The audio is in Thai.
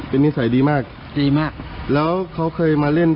ก็ดีเรียบร้อย